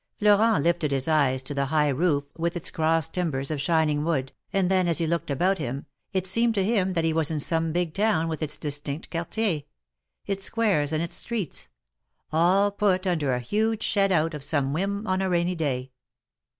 Florent lifted his eyes to the high roof, with its cross timbers of shining wood, and then, as he looked about him, it seemed to him that he was in some big town with its distinct Quartiers — its squares and its streets — all put under a huge shed out of some whim on a rainy day.